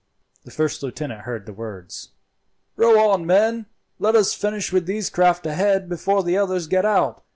The first lieutenant heard the words. "Row on, men; let us finish with these craft ahead before the others get out.